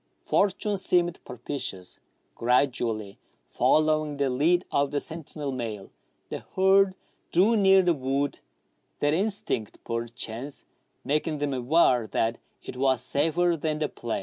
Fortune seemed propitious. Gradually following the lead of the sentinel male, the herd drew near the wood, their in stinct, perchance, making them aware that it was safer than the plain.